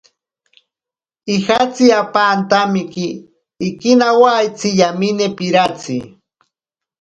Ijatsi apa antamiki ikinawaitsi yamine piratsi.